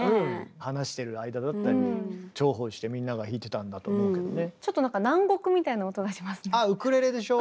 話してる間だったり重宝してみんなが弾いてたんだと思うけどね。